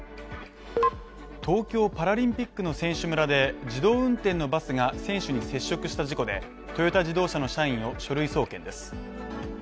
東京パラリンピックの選手村で自動運転のバスが選手に接触した事故でトヨタ自動車の社員を書類送検です。